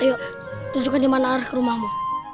ayo tunjukkan di mana air ke rumahmu